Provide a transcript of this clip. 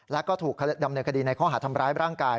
แล้วก็ถูกดำเนินคดีในข้อหาทำร้ายร่างกาย